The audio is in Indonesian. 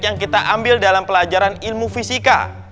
yang kita ambil dalam pelajaran ilmu fisika